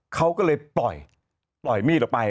เขาก็เลยปล่อยมีดละไป